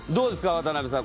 渡邉さん